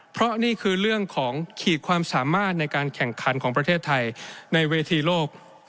เพราะนี่คือเรื่องของขีดความสามารถในการแข่งขันของประเทศไทยในเวทีโลก